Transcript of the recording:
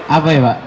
apa ya pak